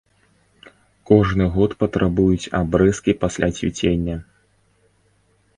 Кожны год патрабуюць абрэзкі пасля цвіцення.